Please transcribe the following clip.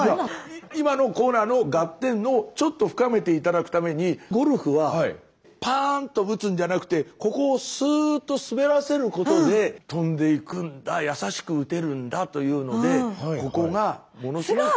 今のコーナーのガッテンをちょっと深めて頂くためにゴルフはパーンと打つんじゃなくてここをスーッと滑らせることで飛んでいくんだ優しく打てるんだというのでここがものすごく。